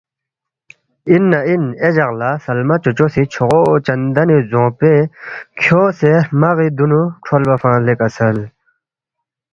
“ اِن نہ اِن اے جق لہ سلمہ چوچو سی چھوغو چندنی زدونگپوے کھیونگسے ہرمغی دُونُو کھرولبا فنگس لے کسل